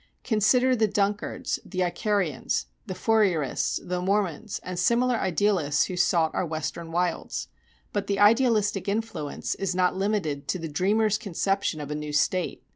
Consider the Dunkards, the Icarians, the Fourierists, the Mormons, and similar idealists who sought our Western wilds. But the idealistic influence is not limited to the dreamers' conception of a new State.